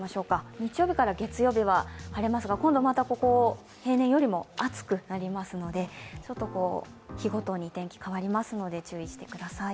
日曜日から月曜日は晴れますが今度また平年よりも暑くなりますので、日ごとに変わりますので注意してください。